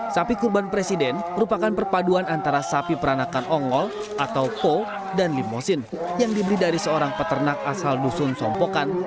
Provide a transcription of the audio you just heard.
sapi kurban presiden merupakan perpaduan antara sapi peranakan ongol atau po dan limosin yang dibeli dari seorang peternak asal dusun sompokan